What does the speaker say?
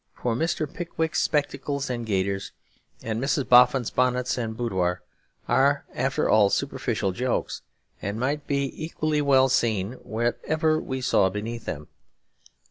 For Mr. Pickwick's spectacles and gaiters and Mrs. Boffin's bonnets and boudoir are after all superficial jokes; and might be equally well seen whatever we saw beneath them.